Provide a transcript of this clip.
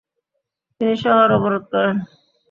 তিনি শহর অবরোধ করেন।